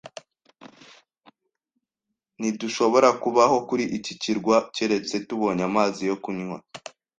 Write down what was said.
Ntidushobora kubaho kuri iki kirwa keretse tubonye amazi yo kunywa.